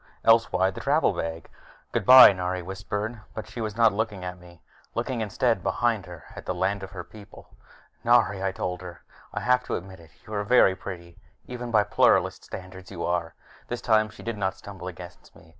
Else why the travel bag? "Goodbye," Nari whispered, but she was not looking at me. Looking, instead, behind her, at the land of her people. "Nari," I told her, "I have to admit it. You are very pretty even by Pluralist standards. You are " This time she did not stumble against me.